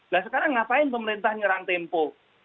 nah sekarang ngapain pemerintah nyerang tempo